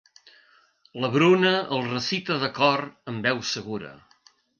La Bruna el recita de cor amb veu segura.